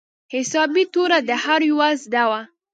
حسابي توره د هر يوه زده وه.